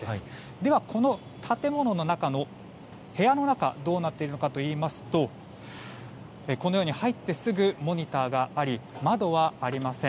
では、この部屋の中どうなっているかといいますとこのように入ってすぐモニターがあり窓はありません。